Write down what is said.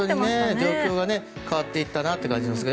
状況が変わっていったなという感じですが。